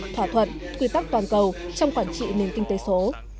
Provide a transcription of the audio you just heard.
thỏa thuận quy tắc toàn cầu trong quản trị nền kinh tế số